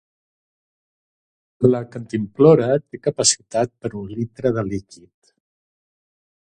La cantimplora té capacitat per un litre de líquid.